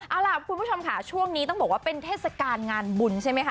เอาล่ะคุณผู้ชมค่ะช่วงนี้ต้องบอกว่าเป็นเทศกาลงานบุญใช่ไหมคะ